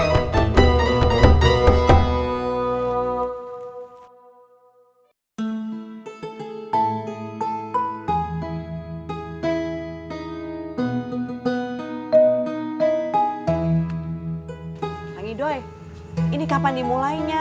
tangi doi ini kapan dimulainya